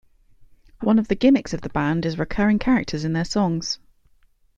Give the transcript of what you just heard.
One of the gimmicks of the band is recurring characters in their songs.